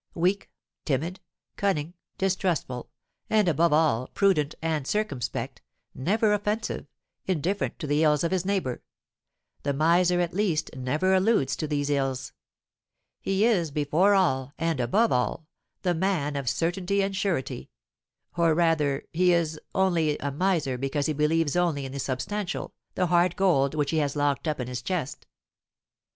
Weak, timid, cunning, distrustful, and, above all, prudent and circumspect, never offensive, indifferent to the ills of his neighbour, the miser at least never alludes to these ills, he is, before all and above all, the man of certainty and surety; or, rather, he is only a miser because he believes only in the substantial, the hard gold which he has locked up in his chest.